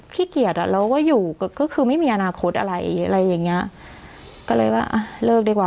เกลียดอ่ะเราก็อยู่ก็คือไม่มีอนาคตอะไรอะไรอย่างเงี้ยก็เลยว่าอ่ะเลิกดีกว่า